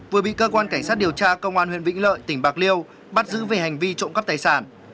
vừa bị cơ quan cảnh sát điều tra công an huyện vĩnh lợi tỉnh bạc liêu bắt giữ về hành vi trộm cắp tài sản